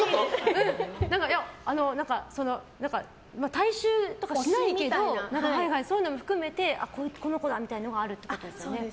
体臭とかしないけどそういうのも含めてこの子だみたいなことがあるということですね。